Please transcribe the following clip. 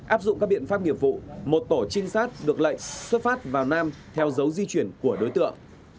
áp dụng các biện pháp nghiệp vụ một tổ trinh sát được lệnh xuất phát vào nam theo dấu di chuyển của đối tượng